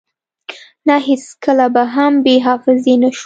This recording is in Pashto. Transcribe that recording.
نه هیڅکله به هم بی حافظی نشو